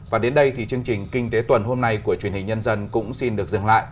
và đến đây thì chương trình kinh tế tuần hôm nay của truyền hình nhân dân cũng xin được dừng lại